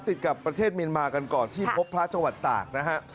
ติดกับประเทศเมียนมากันก่อนที่พบพระจังหวัดตากนะฮะ